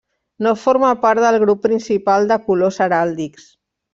No forma part del grup principal de colors heràldics.